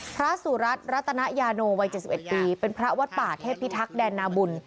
พระสุรัสรัตนายาโนวัยเจ็ดสิบเอ็ดปีเป็นพระวัดป่าเทพิทักษ์แดนนาบุญ